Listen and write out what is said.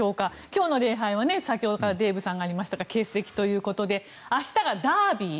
今日の礼拝は先ほどデーブさんからありましたが欠席ということで明日がダービー。